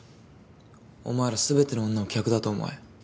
お前ら全ての女を客だと思え。